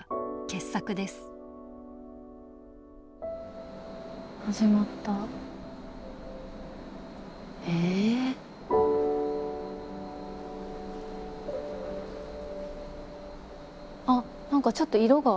あっ何かちょっと色が。